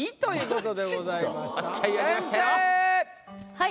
はい。